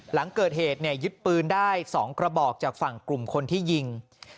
หลังเกิดเหตุยึดปืนได้๒กระบอกจากฝั่งกลุ่มคนที่ยิง